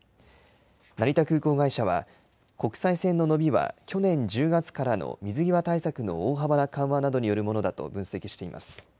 成田空港会社は、国際線の伸びは去年１０月からの水際対策の大幅な緩和などによるものだと分析しています。